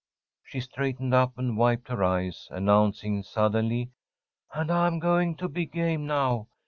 She straightened up and wiped her eyes, announcing suddenly: "And I'm going to be game now.